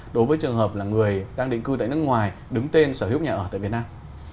đối với trường hợp là người đang định cư tại nước ngoài đứng tên sở hữu nhà ở tại việt nam